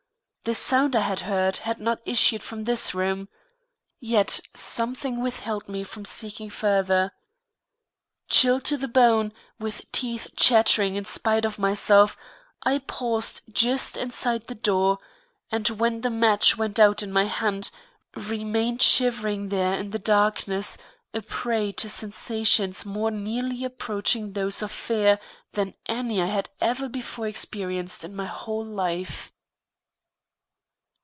The sound I had heard had not issued from this room, yet something withheld me from seeking further. Chilled to the bone, with teeth chattering in spite of myself, I paused just inside the door, and when the match went out in my hand remained shivering there in the darkness, a prey to sensations more nearly approaching those of fear than any I had ever before experienced in my whole life.